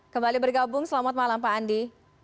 kembali bergabung selamat malam pak andi